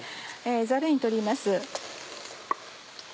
ザルに取ります。